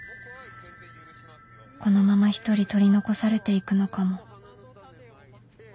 このまま一人取り残されていくのかも